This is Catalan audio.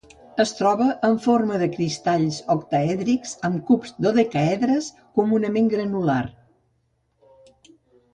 Es troba en forma de cristalls octaèdrics amb cubs i dodecaedres; comunament granular.